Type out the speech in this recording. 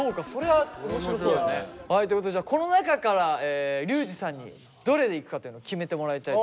はいということでこの中からリュウジさんにどれでいくかっていうのを決めてもらいたい。